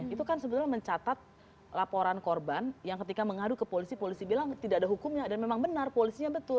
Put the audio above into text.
itu kan sebetulnya mencatat laporan korban yang ketika mengadu ke polisi polisi bilang tidak ada hukumnya dan memang benar polisinya betul